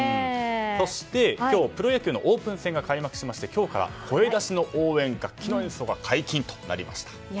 そして今日、プロ野球のオープン戦が開幕しまして今日から声出し、楽器の応援が解禁となりました。